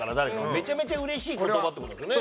めちゃめちゃ嬉しい言葉って事ですよね。